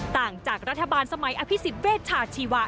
ต่างจากรัฐบาลสมัยอภิษฎเวชชาชีวะ